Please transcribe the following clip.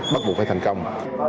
bắt buộc phải thành công